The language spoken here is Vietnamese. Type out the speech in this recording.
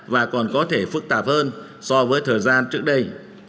và còn có thể phức tạp hơn so với thời gian trước đây